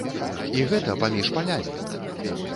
І гэта паміж палямі!